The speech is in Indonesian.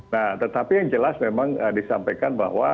nah tetapi yang jelas memang disampaikan bahwa